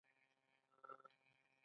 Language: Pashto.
هیلۍ د تودوخې موسم ته هجرت کوي